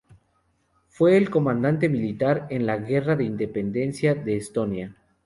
Fue un comandante militar en la Guerra de Independencia de Estonia.